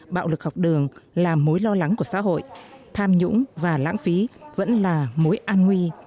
bạo lực học đường là mối lo lắng của xã hội tham nhũng và lãng phí vẫn là mối an nguy